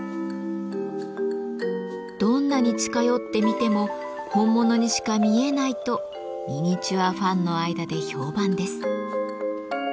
どんなに近寄って見ても本物にしか見えないとミニチュアファンの間で評判です。